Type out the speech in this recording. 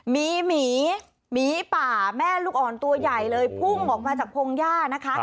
มีหมีหมีป่าแม่ลูกอ่อนตัวใหญ่เลยพุ่งออกมาจากพงหญ้านะคะ